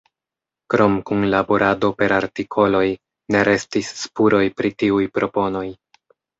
Krom kunlaborado per artikoloj, ne restis spuroj pri tiuj proponoj.